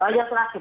oh ya terakhir